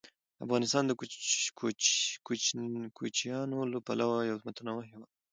افغانستان د کوچیانو له پلوه یو متنوع هېواد دی.